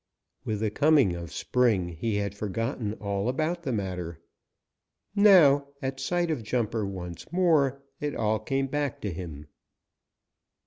With the coming of spring he had forgotten all about the matter. Now at the sight of Jumper once more, it all came back to him.